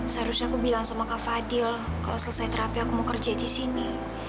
seharusnya aku bilang sama kak fadil kalau selesai terapi aku mau kerja di sini